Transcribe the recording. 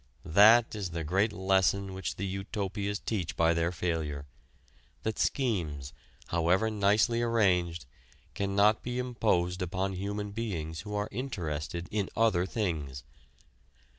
That is the great lesson which the utopias teach by their failure that schemes, however nicely arranged, cannot be imposed upon human beings who are interested in other things.